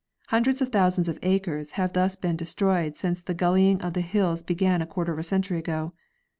Hun dreds of thousands of acres have thus been destroyed since the gullying of hills began a quarter of a century ago.